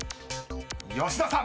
［吉田さん］